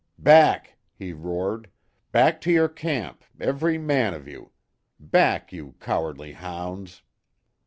"Back!" he roared; "back to your camp, every man of you! Back, you cowardly hounds!"